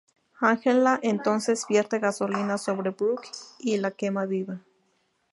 Angela entonces vierte gasolina sobre Brooke y la quema viva.